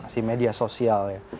si media sosial ya